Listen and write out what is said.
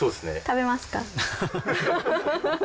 食べますか？